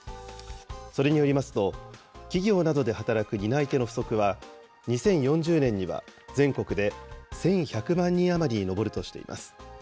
それによりますと、企業などで働く担い手の不足は、２０４０年には全国で１１００万人余りに上るとしています。